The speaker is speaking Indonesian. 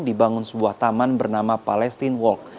dibangun sebuah taman bernama palestine walk